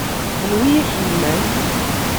Anwa ay ak-yennan?